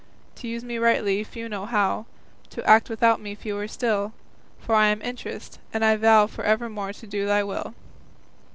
To use me rightly few know how, To act without me fewer still, For I am Interest, and I vow For evermore to do thy will.